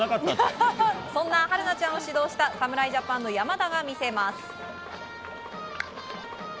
そんな春奈ちゃんを指導した侍ジャパンの山田が魅せます。